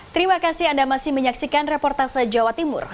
terima kasih anda masih menyaksikan reportase jawa timur